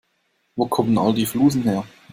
Wo kommen all die Flusen her?